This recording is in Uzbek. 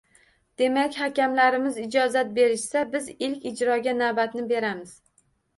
Demak hakamlarimiz ijozat berishsa biz ilk ijroga navbatni beramiz.